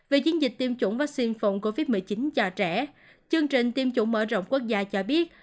về chiến dịch tiêm chủng vaccine phòng covid một mươi chín cho trẻ chương trình tiêm chủng mở rộng quốc gia cho biết